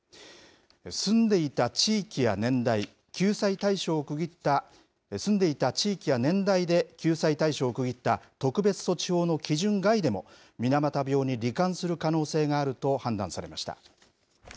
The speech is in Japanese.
住んでいた地域や年代、救済対象を区切った、住んでいた地域や年代で救済対象を区切った特別措置法の基準外でも水俣病に罹患する可能性があると判断されました。